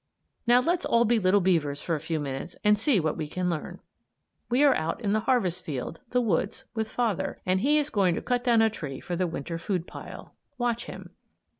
Now let's all be little beavers for a few minutes and see what we can learn. We are out in the harvest field the woods with father, and he's going to cut down a tree for the Winter food pile. Watch him.